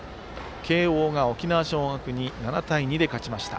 慶応が沖縄尚学に７対２で勝ちました。